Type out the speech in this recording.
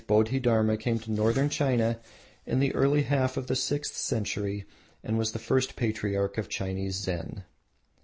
Bodhi Dharma came to Northern China in the early half of the sixth century and was the first patriarch of Chinese Zen.